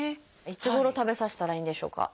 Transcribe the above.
いつごろ食べさせたらいいんでしょうか？